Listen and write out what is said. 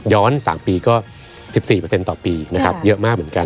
๓ปีก็๑๔ต่อปีนะครับเยอะมากเหมือนกัน